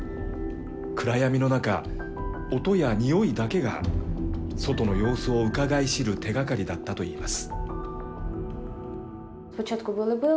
暗闇の中、音やにおいだけが外の様子をうかがい知る手がかりだったといいます。